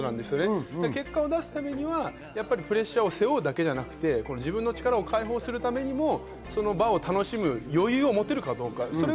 結果を出すためにはプレッシャーを背負うだけではなくて、自分の力を解放するためにもその場を楽しむ余裕を持てるかどうか。